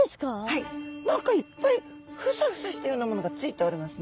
はい何かいっぱいフサフサしたようなものがついておりますね。